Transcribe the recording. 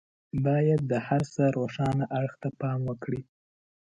بايد د هر څه روښانه اړخ ته پام وکړي.